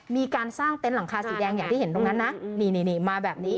มีการสร้างเต็นต์หลังคาสีแดงอย่างที่เห็นตรงนั้นนะนี่มาแบบนี้